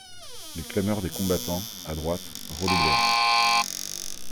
Les clameurs des combattants, à droite, redoublèrent.